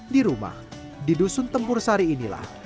di rumah di dusun tempur sari inilah